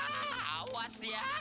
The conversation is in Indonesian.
salah awas ya